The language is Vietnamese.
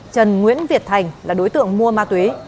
trần nguyễn việt thành là đối tượng mua ma túy